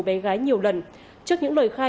bé gái nhiều lần trước những lời khai